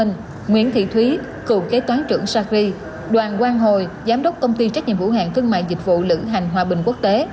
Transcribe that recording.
nguyễn thị thúy cựu kế toán trưởng sacri đoàn quang hồi giám đốc công ty trách nhiệm vũ hạng cương mại dịch vụ lự hành hòa bình quốc tế